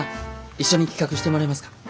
一緒に企画してもらえますか？